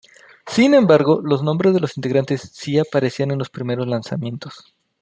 Sin embargo los nombres de los integrantes si aparecían en los primeros lanzamientos.